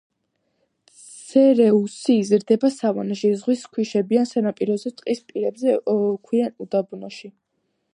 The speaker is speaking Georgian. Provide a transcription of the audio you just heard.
ცერეუსი იზრდება სავანაში, ზღვის ქვიშიან სანაპიროზე, ტყის პირებზე, ქვიან უდაბნოში.